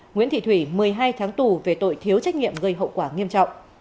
nguyễn thị thủy một mươi hai tháng tù về tội thiếu trách nhiệm gây hậu quả nghiêm trọng